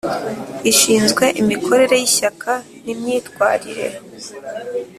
ishinzwe imikorere y Ishyaka n imyitwarire